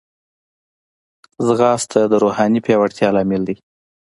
ځغاسته د روحاني پیاوړتیا لامل دی